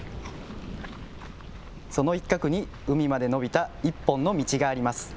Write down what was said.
その一角に、海まで伸びた１本の道があります。